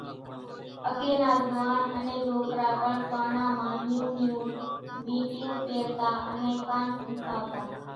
اڳيَ نا زوئاڻ انين ڏوڪرا پڻ ڪانان مان هيم نِيون ويٽِيون پيرتا انين ڪان پُونکاوتا۔